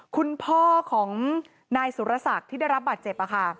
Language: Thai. คุณพ่อของนายสุรศักดิ์ที่ได้รับบาดเจ็บ